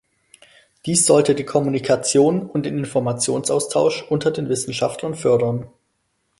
Dies sollte die Kommunikation und den Informationsaustausch unter den Wissenschaftlern fördern.